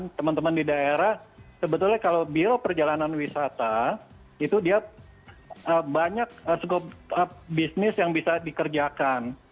nah teman teman di daerah sebetulnya kalau biro perjalanan wisata itu dia banyak bisnis yang bisa dikerjakan